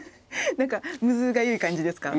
何かむずがゆい感じですか？